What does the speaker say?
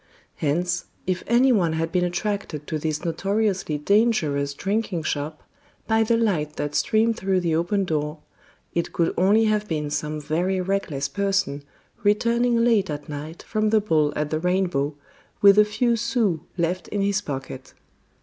Hence, if any one had been attracted to this notoriously dangerous drinking shop by the light that streamed through the open door, it could only have been some very reckless person returning late at night from the ball at the Rainbow, with a few sous left in his pocket.